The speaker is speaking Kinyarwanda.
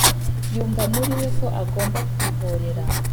yumva muri we ko agomba kwihorera